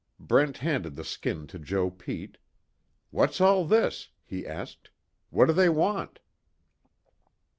Brent handed the skin to Joe Pete: "What's all this?" he asked, "What do they want?"